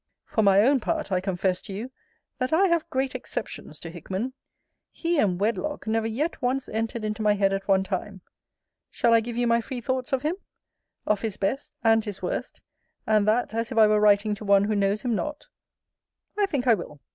For my own part, I confess to you, that I have great exceptions to Hickman. He and wedlock never yet once entered into my head at one time. Shall I give you my free thoughts of him? Of his best and his worst; and that as if I were writing to one who knows him not? I think I will.